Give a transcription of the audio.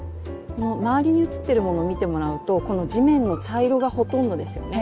周りに写ってるものを見てもらうとこの地面の茶色がほとんどですよね。